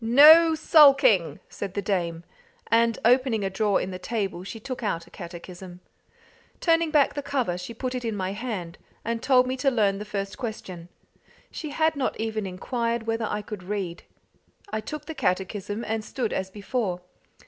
"No sulking!" said the dame; and opening a drawer in the table, she took out a catechism. Turning back the cover she put it in my hand, and told me to learn the first question. She had not even inquired whether I could read. I took the catechism, and stood as before.